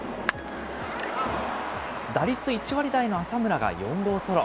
打率１割台の浅村が４号ソロ。